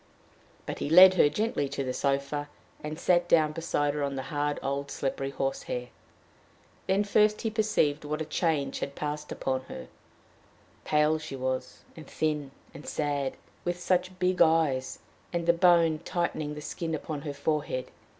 But he led her gently to the sofa, and sat down beside her on the hard old slippery horsehair. Then first he perceived what a change had passed upon her. Pale was she, and thin, and sad, with such big eyes, and the bone tightening the skin upon her forehead!